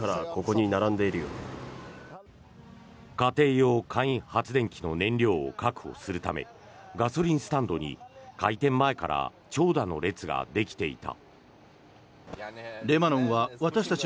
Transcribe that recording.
家庭用簡易発電機の燃料を確保するためガソリンスタンドに開店前から長蛇の列ができていた。